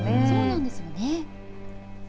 そうなんですよね。